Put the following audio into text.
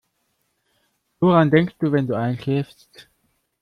Woran denkst du, wenn du einschläfst?